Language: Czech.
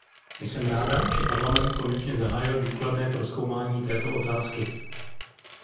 Jsem ráda, že Parlament konečně zahájil důkladné prozkoumání této otázky.